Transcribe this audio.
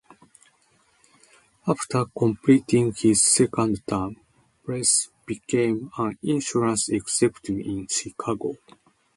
After completing his second term, Preus became an insurance executive in Chicago.